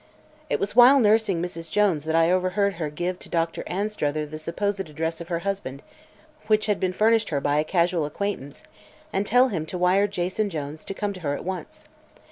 "It was while nursing Mrs. Jones that I overheard her give to Doctor Anstruther the supposed address of her husband, which had been furnished her by a casual acquaintance, and tell him to wire Jason Jones to come to her at once.